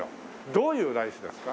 どういうライスですか？